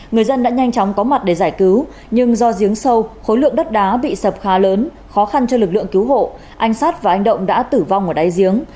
người dân đã nhanh chóng có mặt để giải cứu nhưng do giếng sâu khối lượng đất đá bị sập khá lớn khó khăn cho lực lượng cứu hộ anh sát và anh động đã tử vong ở đáy giếng